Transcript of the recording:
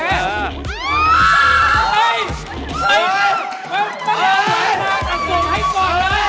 เฮ้ยไปเลยค่ะส่งให้ก่อนเลย